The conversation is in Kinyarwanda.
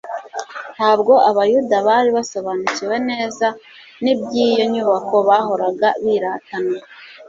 Ntabwo Abayuda bari basobanukiwe neza n'iby'iyo nyubako bahoraga biratana.